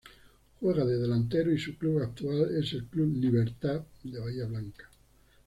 Juega de delantero y su club actual es el Club Libertad de Bahía Blanca.